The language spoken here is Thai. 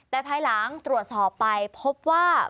แต่ภายหลังตรวจสอบไปพบว่า